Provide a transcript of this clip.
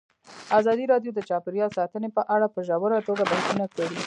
ازادي راډیو د چاپیریال ساتنه په اړه په ژوره توګه بحثونه کړي.